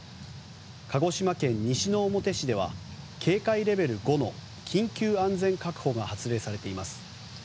鹿児島県西之表市では警戒レベル５の緊急安全確保が発令されています。